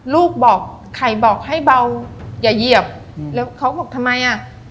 ลูกบอกไข่บอกให้เบาอย่าเหยียบแล้วเขาบอกทำไมอ่ะ